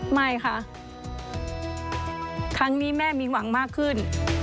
ไม่ค่ะครั้งนี้แม่มีหวังมากขึ้น